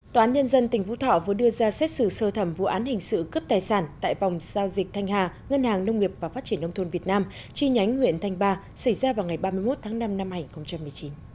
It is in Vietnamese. tòa án nhân dân tỉnh vũ thọ vừa đưa ra xét xử sơ thẩm vụ án hình sự cướp tài sản tại vòng giao dịch thanh hà ngân hàng nông nghiệp và phát triển nông thôn việt nam chi nhánh nguyễn thanh ba xảy ra vào ngày ba mươi một tháng năm năm hai nghìn một mươi chín